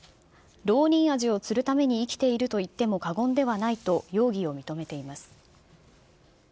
ロウニンアジを釣るために生きていると言っても過言ではないと、容疑を認めています。